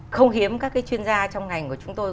không hiếm các cái chuyên gia trong ngành của chúng tôi